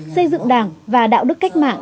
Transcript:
xây dựng đảng và đạo đức cách mạng